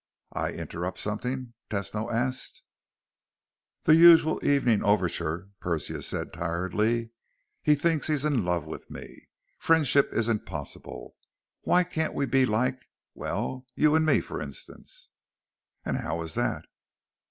"I interrupt something?" Tesno asked. "The usual evening overture," Persia said tiredly. "He thinks he's in love with me. Friendship isn't possible. Why can't we be like well, you and me, for instance?" "And how is that?"